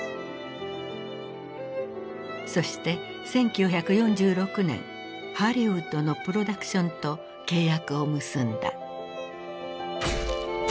そして１９４６年ハリウッドのプロダクションと契約を結んだ。